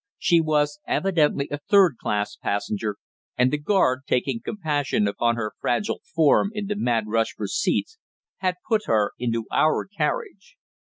She was evidently a third class passenger, and the guard, taking compassion upon her fragile form in the mad rush for seats, had put her into our carriage.